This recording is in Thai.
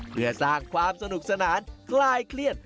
เพื่อสร้างความสนุกสนานคลายเครียด